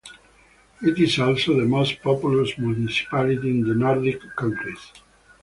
It is also the most populous municipality in the Nordic countries.